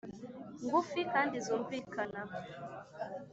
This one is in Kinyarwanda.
ngufi kandi zu mvikana.